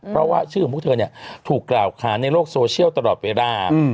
เพราะว่าชื่อของพวกเธอเนี่ยถูกกล่าวค้านในโลกโซเชียลตลอดเวลา